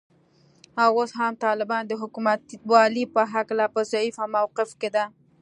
او اوس هم طالبان د حکومتولې په هکله په ضعیفه موقف کې دي